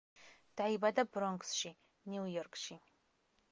დაიბადა ბრონქსში, ნიუ-იორკში.